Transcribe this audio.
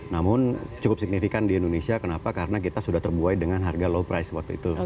namun cukup signifikan di indonesia kenapa karena kita sudah terbuai dengan harga low price waktu itu